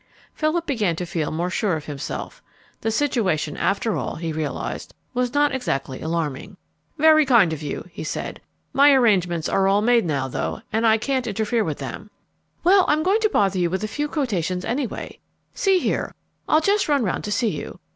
Philip began to feel more sure of himself. The situation, after all, he realized, was not exactly alarming. "Very kind of you," he said. "My arrangements are all made now, though, and I can't interfere with them." "Well, I'm going to bother you with a few quotations, anyway. See here, I'll just run round to see you.